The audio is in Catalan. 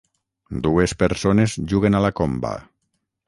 Dues persones juguen a la comba.